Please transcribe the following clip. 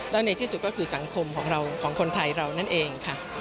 แล้วในที่สุดก็คือสังคมของเราของคนไทยเรานั่นเองค่ะ